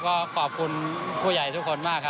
ก็ขอบคุณผู้ใหญ่ทุกคนมากครับ